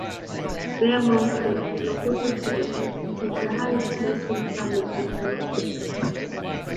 Bear Mountain, located to the east, is the highest mountain summit in Connecticut.